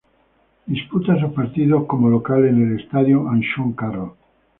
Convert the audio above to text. Disputa sus partidos como local en el estadio Anxo Carro.